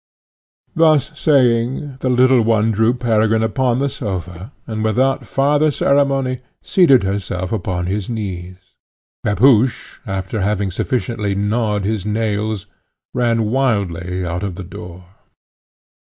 Thus saying, the little one drew Peregrine upon the sofa, and, without farther ceremony, seated herself upon his knees. Pepusch, after having sufficiently gnawed his nails, ran wildly out of the door.